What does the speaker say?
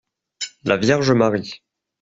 La Vierge Marie.